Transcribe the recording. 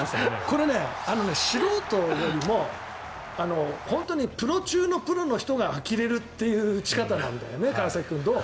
これは素人よりも本当にプロ中のプロがあきれるという打ち方なんだよね川崎君、どう？